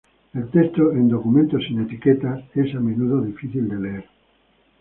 El texto en documentos sin etiqueta es a menudo difícil de leer.